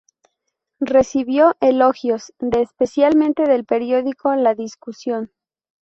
Recibió elogios de especialmente del periódico "La Discusión".